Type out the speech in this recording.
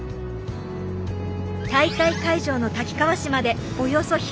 大会会場の滝川市までおよそ１００ｋｍ。